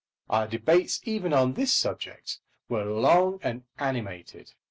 Our debates even on this subject were long and animated.